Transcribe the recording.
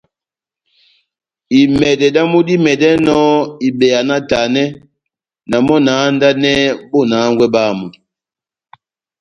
Imɛdɛ damu dímɛdɛnɔ ibeya náhtanɛ, na mɔ́ na handanɛhɛ bona hángwɛ bámu.